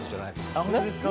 ああ本当ですか？